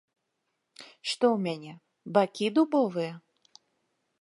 Што ў мяне, бакі дубовыя?